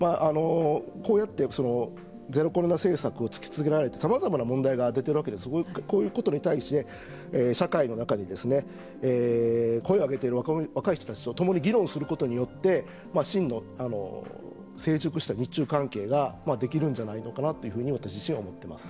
こうやってゼロコロナ政策を突きつけられてさまざまな問題が出てるわけでこういうことに対して社会の中に声を上げている若い人たちとともに議論することによって真の成熟した日中関係ができるんじゃないのかなというふうに私自身、思っています。